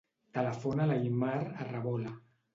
Telefona a l'Aimar Arrebola.